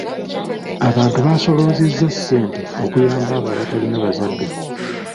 Abantu basoloozezza ssente okuyamba abo abatalina bazadde.